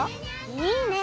いいね！